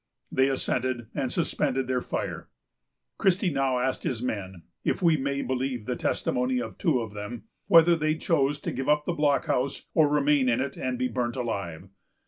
They assented, and suspended their fire. Christie now asked his men, if we may believe the testimony of two of them, "whether they chose to give up the blockhouse, or remain in it and be burnt alive?"